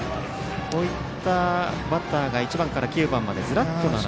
こういったバッターが１番から９番までずらっと並んで。